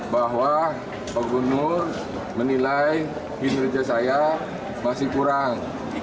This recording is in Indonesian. bahwa pak gubernur menilai kinerja saya masih kurang